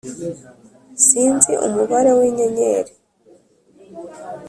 sinzi umubare w’inyenyeri